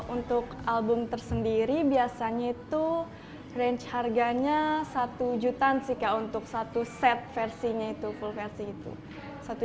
untuk album tersendiri biasanya itu range harganya satu jutaan sih kak untuk satu set versinya itu full versi itu